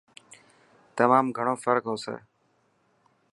تمام گھڻو فرڪ هوسي.